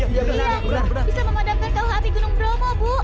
iya bisa memadamkan tahu api gunung bromo bu